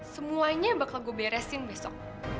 semuanya bakal gue beresin besok